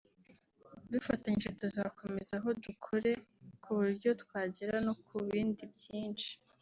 dufatanyije tuzakomereza aho dukore ku buryo twagera no ku bindi byinshi